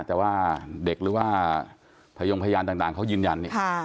แต่ว่าเด็กหรือว่าพยงพยานต่างเขายืนยัน